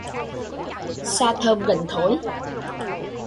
Xa thơm gần thối